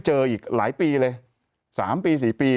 อีกหลายปีเลย๓ปี๔ปี